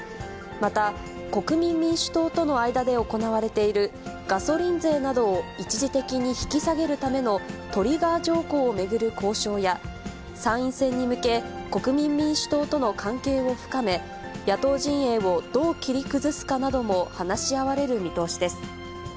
また、国民民主党との間で行われている、ガソリン税などを一時的に引き下げるためのトリガー条項を巡る交渉や、参院選に向け、国民民主党との関係を深め、野党陣営をどう切り崩すかなども話し合われる見通しです。